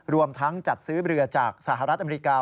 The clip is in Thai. รวมทั้งจัดซื้อเรือจากสหรัฐอเมริกา